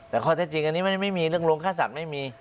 แต่ข้อเท็จจริงอันนี้ไม่มีเรื่องโรงค่าสัตว์ไม่มี